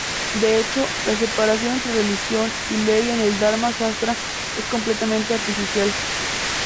De hecho, la separación entre religión y ley en el "Dharma-sastra" es completamente artificial.